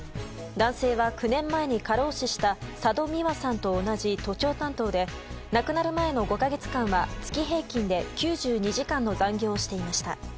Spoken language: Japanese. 男性は９年前に過労死した佐戸未和さんと同じ都庁担当で亡くなる前の５か月間は月平均で９２時間の残業をしていました。